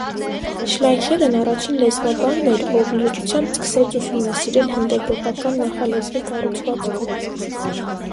Շլայխերն առաջին լեզվաբանն էր, ով լրջությամբ սկսեց ուսումնասիրել հնդեվրոպական նախալեզվի կառուցվածքով։